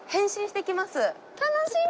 楽しみ！